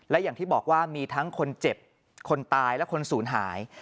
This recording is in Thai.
และอย่างที่บอกว่ามีทั้งคนเจ็บคนตายและคนศูนย์หาย